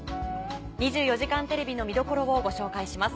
『２４時間テレビ』の見どころをご紹介します。